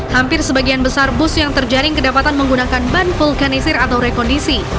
hampir sebagian besar bus yang terjaring kedapatan menggunakan ban vulkanisir atau rekondisi